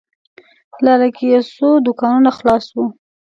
لاره کې یو څو دوکانونه خلاص و.